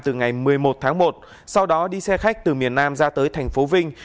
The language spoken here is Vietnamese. từ ngày một mươi một tháng một sau đó đi xe khách từ miền nam ra tới thành phố vinh